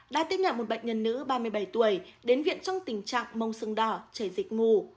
đã tiếp nhận một bệnh nhân nữ ba mươi bảy tuổi đến viện trong tình trạng mông sưng đỏ chảy dịch ngủ